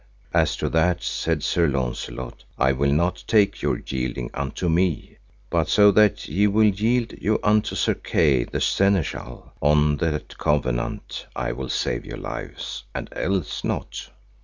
As to that, said Sir Launcelot, I will not take your yielding unto me. But so that ye will yield you unto Sir Kay the Seneschal, on that covenant I will save your lives, and else not.